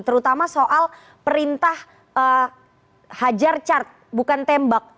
terutama soal perintah hajar cat bukan tembak